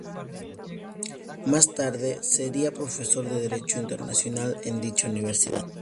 Más tarde sería profesor de Derecho Internacional en dicha universidad.